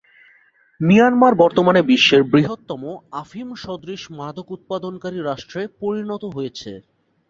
Myanmar বর্তমানে বিশ্বের বৃহত্তম আফিম-সদৃশ মাদক উৎপাদনকারী রাষ্ট্রে পরিণত হয়েছে।